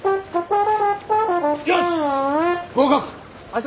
よし！